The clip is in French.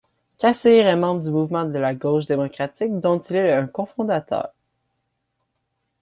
Kassir est membre du Mouvement de la gauche démocratique dont il est un cofondateur.